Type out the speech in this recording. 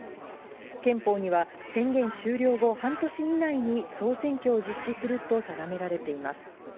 憲法には宣言終了後、半年以内に総選挙を実施すると定められています。